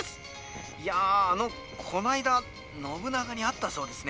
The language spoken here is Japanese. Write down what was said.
いやあのこの間信長に会ったそうですね。